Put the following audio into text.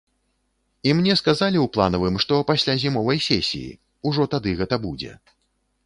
І мне сказалі ў планавым, што пасля зімовай сесіі, ужо тады гэта будзе.